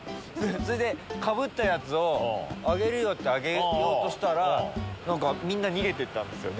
かぶったやつあげるよ！ってあげようとしたらみんな逃げてったんですよね。